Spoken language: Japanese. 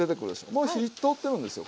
もう火通ってるんですよ